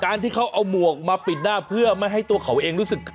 ที่เขาเอาหมวกมาปิดหน้าเพื่อไม่ให้ตัวเขาเองรู้สึก